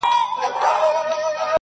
په کور کلي کي اوس ګډه واویلا وه!.